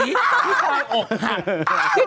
พี่คอยอกหัก